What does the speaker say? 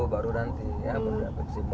baru nanti ya